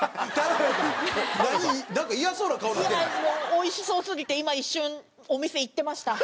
おいしそうすぎて今一瞬お店行ってました。